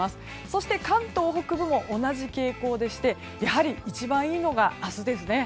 そして関東北部も同じ傾向でしてやはり一番いいのが明日ですね。